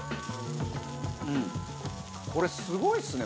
これすごいですね。